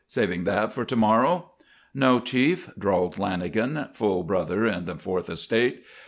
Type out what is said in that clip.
Saving that for to morrow?" "No, Chief," drawled Lanagan, full brother in the Fourth Estate.